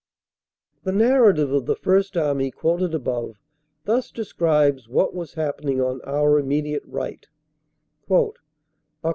The narrative of the First Army, quoted above, thus describes what was happening on our immediate right : "Oct.